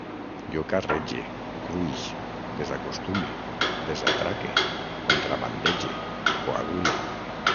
Jo carrege, cruix, desacostume, desatraque, contrabandege, coagule